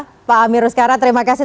ini ya pak amir ruzkara terima kasih